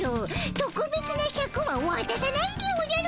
とくべつなシャクはわたさないでおじゃる。